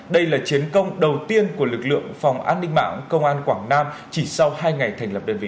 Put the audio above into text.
đây là chiến công đầu tiên của lực lượng phòng an ninh mạng công an quảng nam chỉ sau hai ngày thành lập đơn vị